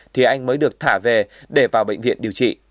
thì anh mới được thả về để vào bệnh viện điều trị